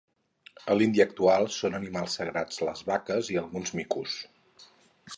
A l'Índia actual són animals sagrats les vaques i alguns micos.